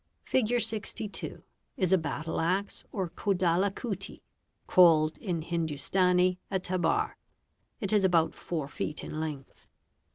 Figure 62: is a battle axe or Kodalhkutti (called in Hindustani a tbar). It is about 4 feet in length.